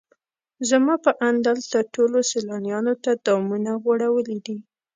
زما په اند دلته ټولو سیلانیانو ته دامونه غوړولي دي.